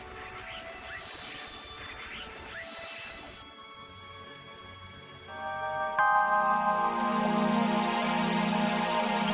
nanti kalau udah selesai aku bangunin deh